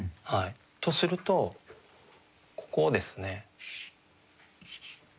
とするとここをですね。